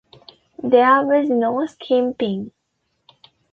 There was no skimping.